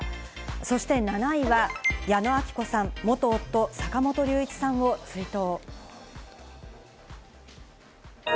そして７位は、矢野顕子さん、元夫・坂本龍一さんを追悼。